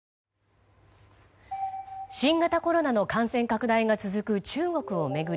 新型コロナの感染拡大が続く中国を巡り